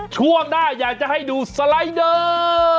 ช่วงหน้าอยากจะให้ดูสไลด์เดอร์